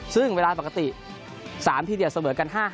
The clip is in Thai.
ซึ่งเวลาปกติ๓ทีเดียวเสมอกัน๕๕